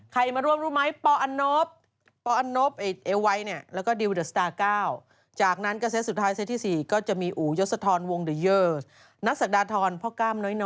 ใครมาร่วมรู้ไหมปอนบปอนบเอไว้แล้วก็ดีลวิทย์ดาสตาร์๙